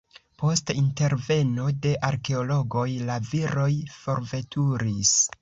Post interveno de arkeologoj la viroj forveturis.